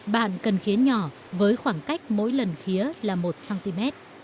bạn cần khiến nhỏ với khoảng cách mỗi lần khía là một cm